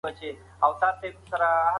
مصرف او خدمات د اقتصادي مطالعاتو برخه ده.